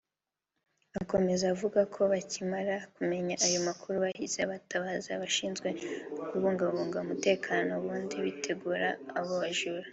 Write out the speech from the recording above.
Akomeza avuga ko bakimara kumenya ayo makuru bahise batabaza abashinzwe kubungabunga umutekano ubundi bitegura abo bajura